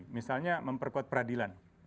misalnya memperkuat peradilan